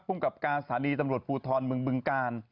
กับการสถานีตำรวจภูทรเมืองบึงกาล